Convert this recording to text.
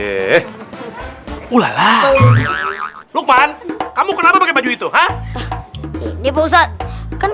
berulanghan mel bleiben